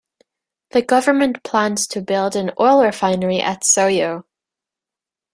The government plans to build an oil refinery at Soyo.